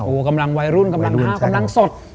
โอ้โหกำลังวัยรุ่นกำลังห้าวกำลังสด